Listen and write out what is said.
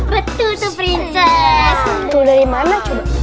betul betul dari mana